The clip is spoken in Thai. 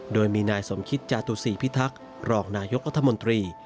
โดยมีนายสมคิตจาตุศีพิทักษ์รองนายกรัฐมนตรี